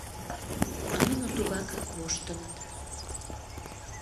А нуно тугакак воштылыт.